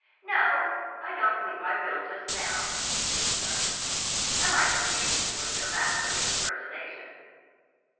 "No; I don't believe I will just now," she returned. "I might confuse him with your masterly impersonation."